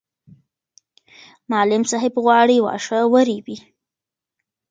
معلم صاحب غواړي واښه ورېبي.